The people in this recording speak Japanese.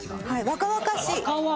「若々しい」！